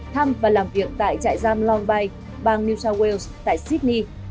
thăm và làm việc tại trại giam long bay bang new south wales tại sydney